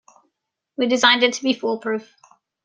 We designed it to be fool-proof.